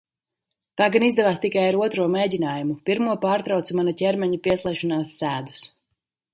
Tā gan izdevās tikai ar otro mēģinājumu, pirmo pārtrauca mana ķermeņa piesliešanās sēdus.